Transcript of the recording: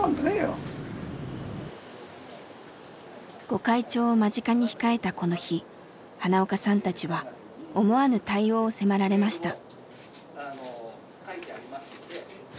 御開帳を間近に控えたこの日花岡さんたちは思わぬ対応を迫られました。